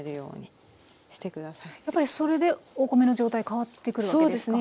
やっぱりそれでお米の状態変わってくるわけですか？